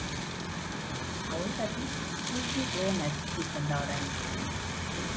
Hauetatik, soilik lehena existitzen da orain.